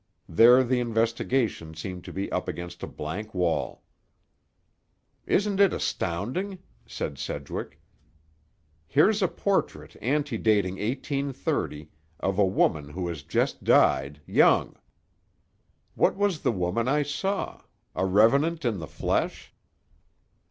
There the investigation seemed to be up against a blank wall. "Isn't it astounding!" said Sedgwick. "Here's a portrait antedating 1830, of a woman who has just died, young. What was the woman I saw; a revenant in the flesh?"